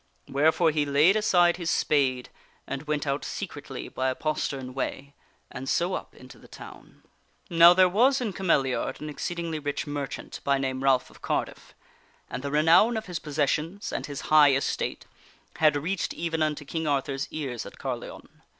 Where fore he laid aside his spade and went out secretly by a postern way, and so up into the town. Now there was in Cameliard an exceedingly rich merchant, by name Ralph of Cardiff, and the renown of his possessions and his high estate had reached even unto King Arthur's ears at Carleon.